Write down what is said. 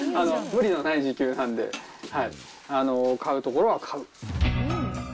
無理のない自給なんで、買うところは買う。